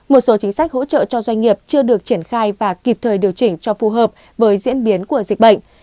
một số chính sách hỗ trợ cho doanh nghiệp chưa được triển khai và kịp thời điều chỉnh cho phù hợp với diễn biến của dịch bệnh